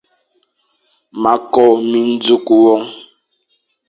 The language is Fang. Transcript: Ma ko minzùkh won.